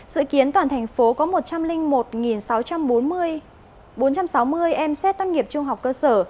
dự kiến toàn thành phố có một trăm linh một sáu trăm bốn mươi em xét tâm nghiệp trung học cơ sở